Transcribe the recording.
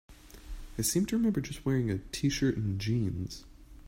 I seem to remember just wearing a t-shirt and jeans.